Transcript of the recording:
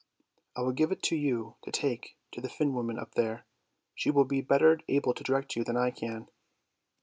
I will give it to you to take to the Finn woman up there. She will be better able to direct you than I can."